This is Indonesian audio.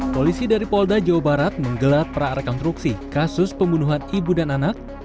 polisi dari polda jawa barat menggelat para rekonstruksi kasus pembunuhan ibu dan anak